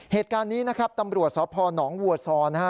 เหตุการณ์นี้นะครับตำรวจสพนวัวซอนะฮะ